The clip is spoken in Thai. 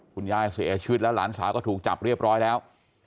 คุณยายเสียชีวิตแล้วหลานสาวก็ถูกจับเรียบร้อยแล้ว